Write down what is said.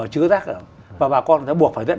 chứa rác ở và bà con sẽ buộc phải dẫn